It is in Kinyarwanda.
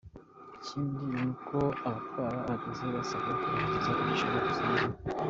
Ikindi ni uko abatwara abagenzi basabwa kubahiriza ibiciro bisanzweho.